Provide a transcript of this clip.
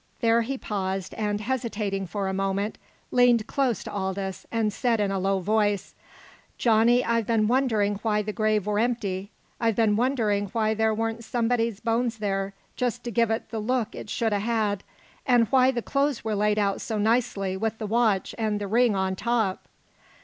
There he paused and, hesitating for a moment, leaned close to Aldous, and said in a low voice: "Johnny, I've been wondering why the grave were empty. I've been wondering why there weren't somebody's bones there just t' give it the look it should 'a' had an' why the clothes were laid out so nicely with the watch an' the ring on top!"